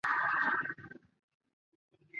佐贺之乱时随军出征并负伤。